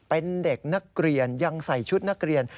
เป็นเด็กนักเรียนยังใส่ชุดนักเรียน